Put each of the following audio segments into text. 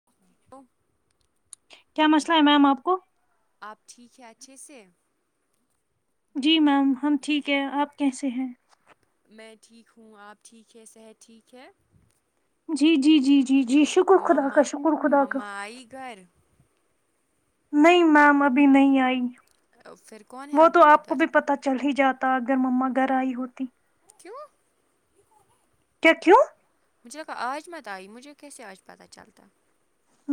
[inaudible] کیا مسلہ ہے میم آپ کو آپ ٹھیک ہیں اچھے سے جی میم ہم ٹھیک ہے آپ کیسے ہیں میں ٹھیک ہوں آپ ٹھیک ہے صحت ٹھیک ہے جی جی جی جی جی شکر خدا کا مما شکر خدا کا مما آئی گھر نہیں میم ابھی نہیں آئی پھر کون ہے وہ تو آپ کو ادھر بھی پتا چل ہی جا تا اگر مما گھر آئی ہوتی کیوں کیا کیوں مجھے لگا آج مت آئی مجھے کیسے آج پتہ چلتا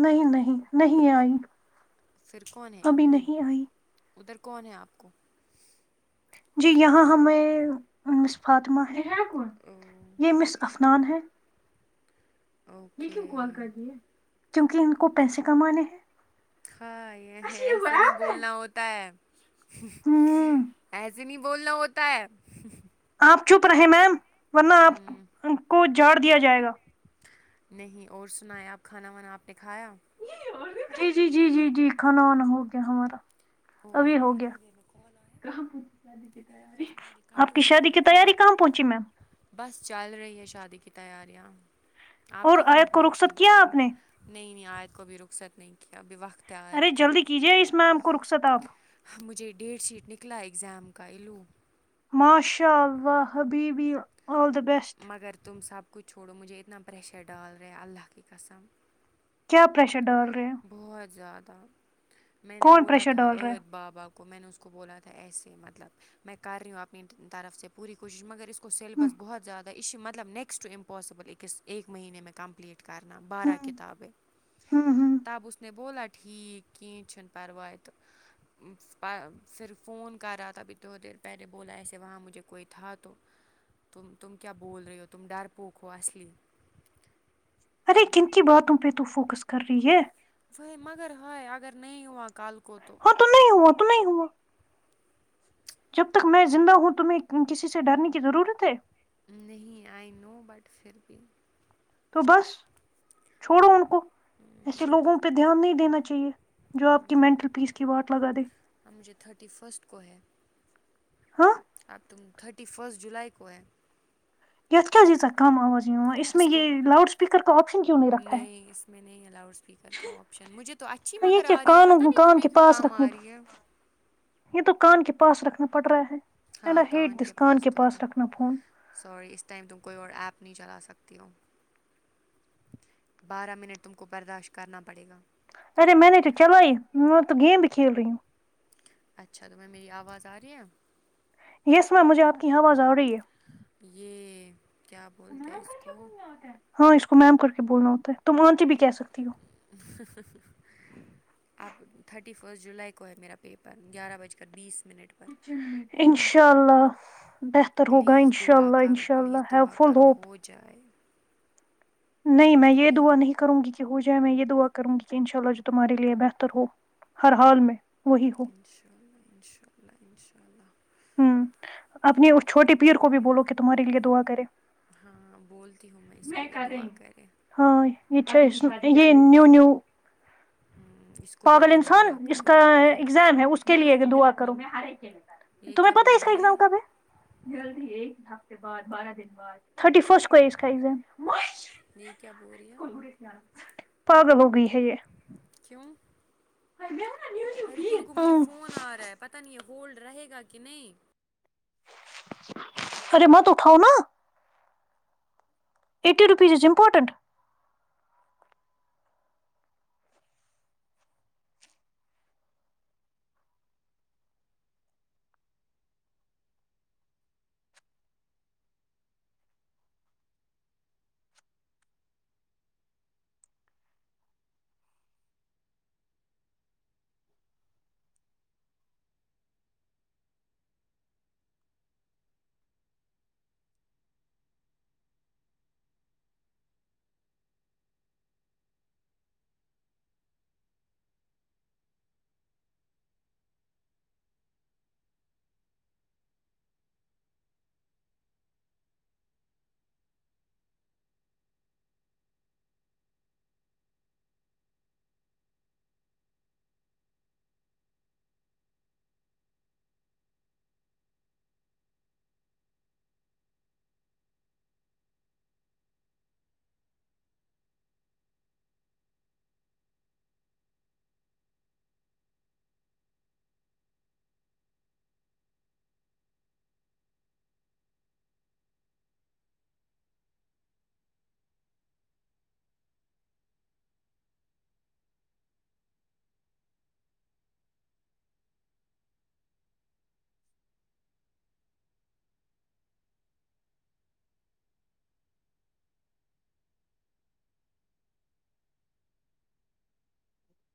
نہیں نہیں نہیں آئی پھر کون ہے ابھی لو نہیں آئی ادھر کون ہے آپ کو جی یہاں ہم مس فاطمہ ہے اں یہ مس افنان ہے یہ اوکے کیوں کال کر دیے کیونکہ ان کو پیسے کمانے ہیں ہاں یہ ایسے نہیں بولنا ہوتا ہے ہوں ایس ے بولنا ہوتا ہے آپ چپ رہے میم ورنہ آپ کو جھاڑ دیا جائے گا نہیں اور سناے آپ کھانا وانا آپ نے کھایا جی جی جی جی جی کھانا وانا ہو گیا ہمارا او اگر ابھی ہو مجھے اتنی دیر میں کال آیا گیا میں کیا کروں گی مجھے کٹ آپ ہو کی جائے شادی گا کی خود ہی تیاری کہاں پہنچی میم بس چل رہی ہے شادی کی تیاریاں آپ اور کی کہاں آیت کو پہنچی رخصت کیا آپ نے نہیں نہیں آیت کو ابھی رخصت نہیں کیا ابھی وقت ہے ارے آیت کو جلدی کیجیے اس میم کو رخصت آپ مجھے ڈیٹ شیٹ نکلا ایگزام کا ایلو ماشاء اللہ حبیبی آل دا بیسٹ مگر تم سب کچھ چھوڑو مجھے اتنا پریشر ڈال رہے اللہ کی قسم کیا پریشر ڈال رہے بہت زیادہ میں نے کون بولا پریشر تھا ڈال رہا ہے عد بابا کو کو میں نے اس کو بولا تھا ایسے مطلب میں کر رہی ہوں اپنی طرف سے پوری کوشش مگر اس ہوں سیلبس بہت زیادہ یہ مطلب نیکسٹ امپوسیبل ایک مہینے میں کمپللیٹ کرنا بارہ ہوں کتابیں ہوں ہوں تب اس نے بولا ٹھیک کین چن پروائے تو پھر فون کر رہا تھا ابھی تھوڑ دیر پہلے بولا ایسے وہاں مجھے کوئی تھا تو تم تم کیا بول رہی ہو تم ڈر پوک ہو اصلی ارے تم کن کی باتوں پہ تو فوکس کر رہی ہے وہی مگر ہے اگر نہیں ہوا کل کو تو تو نہیں ہوا تو نہیں ہوا جب تک میں زندہ ہوں تمہیں کسی سے ڈرنے کی ضرورت ہے نہیں آئی نو بٹ پھر بھی تو بس چھوڑو ان کو ایسے لوگوں پہ دھیان نہیں دینا چاہیے جو آپ کی مینٹل پیس کی واٹ لگا دے اب مجھے تھرٹی فسٹ کو ہے ہاں اب تم تھرٹی فسٹ جولائی کو ہے [unintelligible] کم آوازی اس میں یہ لؤڈ اسپیکر کا آپشن کیوں نہیں رکھا ہے میں نے نہیں لاؤڈ اسپیکر کا آپشن مجھے تو اچھی یہ مگر کیا آ رہی ہے پتہ کانوں نہیں کان تمہیں کے کیوں پاس کم رکھنے آ رہی ہے یہ تو کان کے پاس رکھنا پڑ رہا ہے اینڈ آئی ہیٹ دس کان کے پاس رکھنا فون سوری اس ٹائم تم کوئی اور ایپ نہیں چلا سکتی ہو بارہ منٹ تم کو برداشت کرنا پڑے گا ارے میں نے نہیں تو چلائیے میں نے تو گیم بھی کھیل رہی ہوں اچھا تو تمہیں میری آواز آ رہی ہے یس میم مجھے آپ کی آواز آ رہی ہے یہ کیا بولتے ہیں اس کو ہاں اس کو میم کر کے بولنا ہوتا ہے تم آنٹی بھی کہہ سکتی ہو اب تھرٹی فسٹ جولائی کو ہے میرا پیپر گیارہ بج کر بیس منٹ پر ان شاء اللہ بہتر ہوگا ان پلیز شاء اللہ ان شاء اللہ ہیو فل ہوپ ہوجائے نہیں میں یہ دعا نہیں کروں گی کہ ہو جائے میں یہ دعا کروں گی کہ ان شاء اللہ جو تمہارے لیے بہتر ہو ہر حال میں وہی ہو ان شاء اللہ ان شاء اللہ ان شاء اللہ امم اپنی اس چھوٹے پیر کو بھی بولو کہ تمہارے لیے دعا کرے ہاں بولتی ہوں میں اس کو بھی دعا کریں ہاں یہ اچھا یہ نیو نیو امم اس کو بھی پاگل بولو انسان دعا اس کرو کا اور کیا ایگزام ہے اس کے لیے دعا کروں گے آرے کے لیے یہ تمہیں کیا پتا بول اس کا رہی ایگزام کب ہے جلدی ایک ہفتے بعد بارہ دن بعد تھرٹی فسٹ کو ہے اس کا ایگزام یہ کیا بول رہی ہے پاگل ہو گںی ہے یہ کیوں ہاں رکو رکو مجھے فون آ رہا ہے پتا نہیں یہ ہولڈ رہے گا کہ نہیں ارے مت اٹھاؤ نا ایٹٹی روپیز از امپاٹنٹ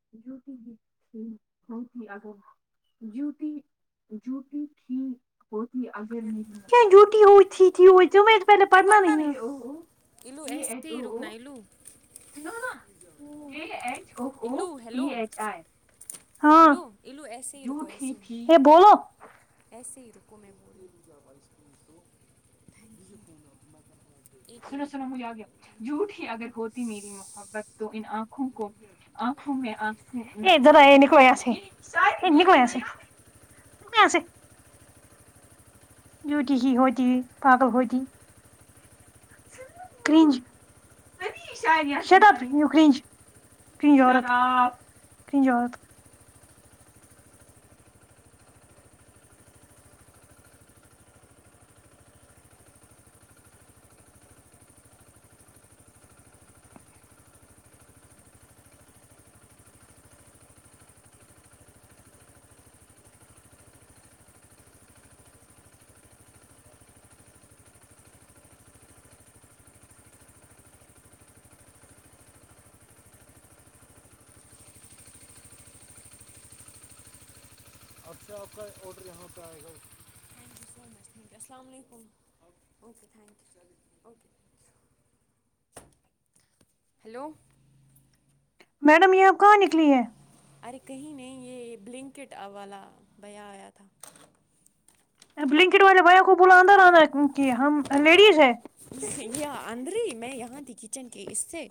ا [unintelligible] جوتی جوتی تھی [unintelligible] پہلے پڑھنا نہیں آتا او الو یہ ایج ایسے او ہی او رکنا الو نو نو اے ایچ او او الو پی ہیلو ایچ آئی ہاں ہیلو ایلو ایسے ہی رکو ایسے ٹھیک ہی اے بولو ایسے ہی رکو میں [unintelligible] سنو منٹ سنو میں آپ مجھے آگیا بولیں گی جھوٹی اگر ہوتی میری محبت تو ان آنکھوں کو آنکھوں میں آنسو ہی یہ ذرا ای لکھو ایسے لکھو ایسے [unintelligible] جھوٹی ہی ہوتی پاگل ہوتی کرنج سٹاپ یو کریج کنجورت آ کنجورت [unintelligible] اچھا آپ کا آڈر یہاں پہ آئے گا السلام علیکم okay thank you okay hello madam یہ آپ کہاں نکلی ہیں ارے کہیں نہیں یہ بلنکٹ والا بھیا آیا تھا بلنکٹ والے بھیا کو بولو اندر آنا ہے کیوں کہ ہم لیڈیز ہے یہ اندری میں یہاں تھی کچن کے اس سے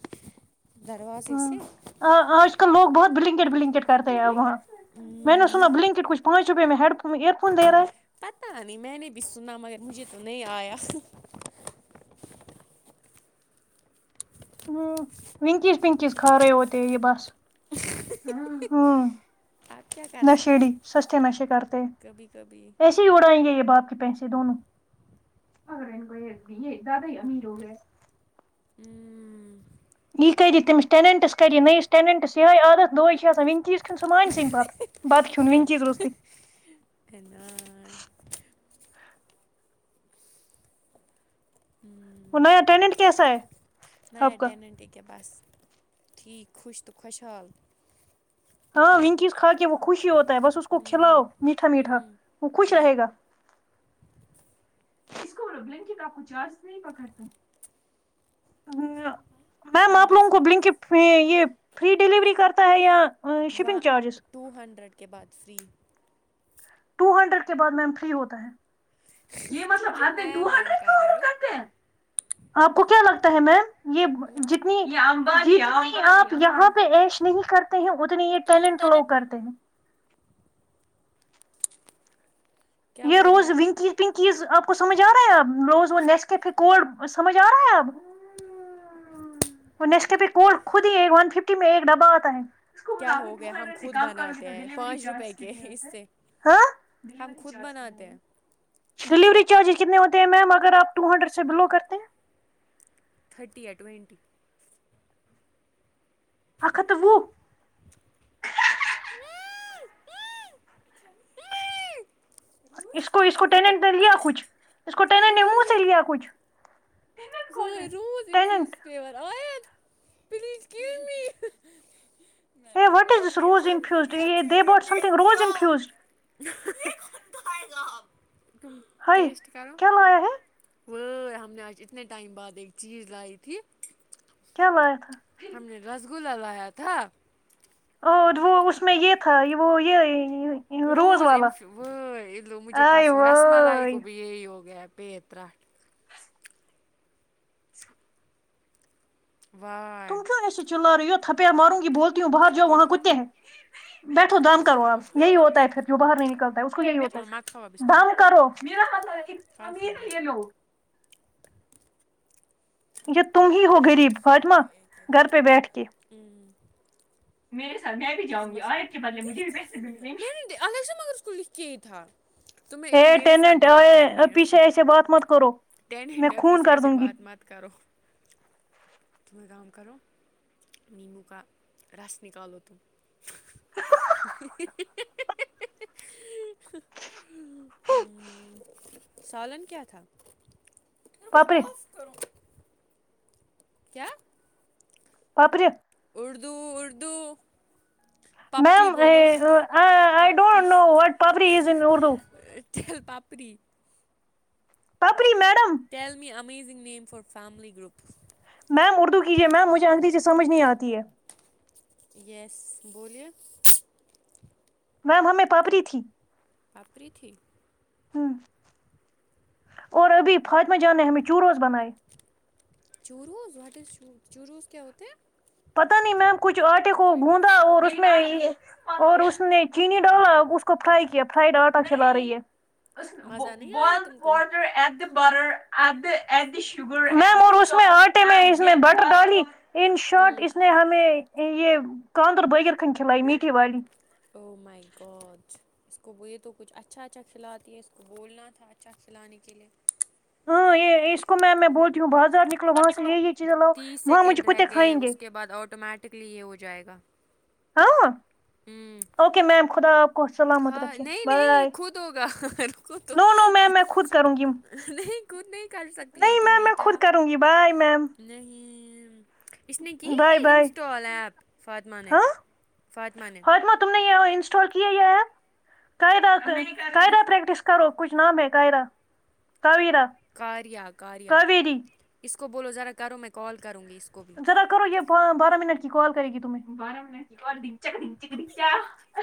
دروازے سے ہاں آج کل لوگ بہت بلنکٹ بلنکٹ کرتے ہیں آ وہاں امم میں نے سنا بلنکٹ کچھ پانچ روپیہ میں ہیڈ فون ایئر فون دےرہا ہے پتہ نہیں میں نے بھی سنا مگر مجھے تو نہیں آیا ہوں ونکیس پنکیس کھار ہوتے ہے یہ بس ہاں آپ کیا کر نشے سکتے ڈی ہیں سستے نشے کرتے ہیں کبھی کبھی اڑائیں گے یہ باپ کے پیسے دونوں ا یہ زیادہ ہی امیر ہو گںی امم [unintelligible] بت کوون ون چز روزتے کن ائی وہ نیا ٹینڈنٹ کیسا ہے نیا آپ کا ٹینڈنٹ ہے کے بس ٹھیک خوش تو خوشحال ہاں ونکیس کھا کے وہ خوش ہی ہوتا ہے بس اس کو کھلاؤ میٹھا میٹھا وہ خوش رہے گا اس کو بولو بلینکٹ آپ کو چارز نہیں پکڑتا ا میم وہ میں آپ نے لوگوں کو فری بلنکٹ یہ فری ڈیلیوری کرتا ہے یا و شپنگ چارجز ٹو ہنڈریڈ کے بعد فری ٹو ہنڈریڈ کے بعد میم فری ہوتا ہے یہ تم مطلب کیوں ہر دن ٹو میم میم ہنڈریڈ کا کر آڈر رہی ہو کرتے ہیں آپ کو کیا لگتا ہے میم یہ جتنی یہ ام باجی آپ یہاں پہ ایش نہیں کرتے ہیں اتنی یہ ٹننٹ لوگ کرتے ہیں کیا یہ بول رہی روز آپ ونکس پنکیز آپ کو سمجھ آ رہا ہے آپ روز وہ نیسکفے کوڈ سمجھ آ رہا ہے آپ انس کے پ کوڈ خود ہی ایک ون ففٹی میں ایک ڈبا آتا ہے کیا ہو گیا ہم خود بناتے ہیں پانچ روپے کے اس سے ہاں ہم خود بناتے ہیں ڈلیوری چارجز کتنے ہوتے ہیں میم اگر آپ ٹو ہنڈریڈ سے بلو کرتے ہیں تھرٹی ہے ٹوئینٹی ات وہ اس کو اس کو ٹینٹ لیا کچھ اس کو ٹینٹ نے منہ سے لیا کچھ و روود انفیوز ٹیننٹ پیور آیت پلیز گیو می میں ہے نے واٹ وہ از اب دس بھی روز آپ کیوں انفیوزڈ نہیں یہ اچھے دے سے باٹ سم تھنگ دیکھتی روز انفیوزڈ ہو ہائی ٹیسٹ کرو کیا لایا ہے وہ ہم نے آج اتنے ٹائم بعد ایک چیز لائی تھی کیا لاے ہم نے رسگلہ لایا تھا اور وہ اس میں یہ تھا وہ یہ روز انف مجھے آئے پرسوں رس ملائی وائے کو بھی یہی ہو گیا پت ترٹھ واہ تم کیوں ایسے چلا رہی ہو تھپیا ماروں گی بولتی ہوں باہر جؤ اور وہاں کھاؤ کتے گی ہیں بیٹھو دام کرو ضائع آب ہو جائے یہی گا ہوتا ہے پھر جووں باہر نہیں نکلتا ہے اس کو یہی ہوتا چھوڑو ہے مت کھاؤ اب اس ٹائم دام کرو م نہ کل کھائیں گے گلو یہ تم ہی ہو غریب فاطمہ گھر پہ بیٹھ کے ہوں الگ سے مگر اس کو لکھ کے ہی تھا تمھیں یلو اے میرے ساتھ ٹیننٹ بات آئے کرنی اب ہے پیچھے ایسے بات مت کرو میں ٹیننٹپی خون سے کر ایسے دوں گی بات مت کرو تم کام کرو لیمبو کا رس نکالو تم سالن کیا تھا پھر وہ پاپری آف کرو کیا باپ رے اردو اردو پپ جی میم بولو آئی پپجی don't know what papri is in Urdu جل papdi papri madam tell me amazing name for family group ma'am Urdu کیجیے میم مجھے انگریزی سمجھ نہیں آتی ہے یس بولیے میم ہمیں پاپڑی تھی باپری تھی اور ابھی فاطمہ جان نے ہمیں چوروز بنائے چوروز وٹ از چو چوروز کیا ہوتی ہے پتا نہیں میم کچھ آٹے کو آف کندھا اور اسمے اسنیپ اور اس نے چینی ڈالا اس کو فرائی کیا فرائیڈ آٹا کھلا رہی ہے مزہ نہیں آیا ورلڈ تم کو فور تھی اسیبورور اسے اس میں اش اس میم اور ڈالیں اس میں آٹے میں اس میں بٹر ڈالی ان شارٹ ہوں اس نے ہمیں یہ کاندر بغیر خن کھلائی میٹھی والی او مائی گاڈ اس کو یہ تو کچھ اچھا اچھا کھلاتی ہے اس کو بولنا تھا اچھا کھلانے کے لیے ہاں یہ اس کو میںم میں بولتی ہوں بازار نکلو وہاں سے یہی چیز لاؤ تیس وہاں مجھے سیکنڈ رہ کتے گئے کھائیں گے اس کے بعد آٹومیٹکلی یہ ہو جائے گا ہاں ہوں اوکے میم خدا کو سلامت ہاں رکھے نہیں نہیں یہ بائے خود ہوگا روکو تو نو نو میم میں خود کروں گی نہیں خود نہیں کر سکتی ہو نہیں تم میم میں بیٹا خود کروں گی بائے میم نہیں اس نے کی بائے ہے بائے انسٹال ایپ فاطمہ نے ہاں فاطمہ نے تم نے یہ انسٹال کیا یا ایپ قعدہ تو قعدہ پریکٹس کرو کچھ نام ہے قئرہ کاویرا کاریہ کاریہ کاویری اس کو بولو ذرا کرو میں کال کروں گی اس کو بھی ذرا کرو یہ بارہ منٹ کی کال کرے گی تمھے [unintelligible]